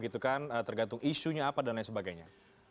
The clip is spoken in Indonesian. tergantung isunya apa dan lain sebagainya